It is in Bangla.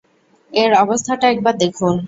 এর অবস্থাটা একবার দেখুন!